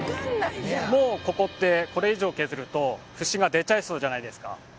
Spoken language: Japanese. もうここってこれ以上削ると節が出ちゃいそうじゃないですか。